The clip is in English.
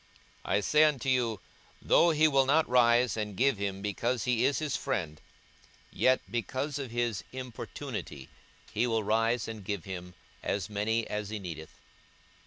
42:011:008 I say unto you, Though he will not rise and give him, because he is his friend, yet because of his importunity he will rise and give him as many as he needeth.